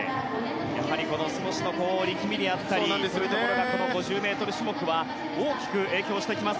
この少しの力みであったりそういうところがこの５０ｍ種目は大きく影響してきます。